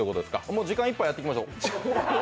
もう時間いっぱいやっていきましょう。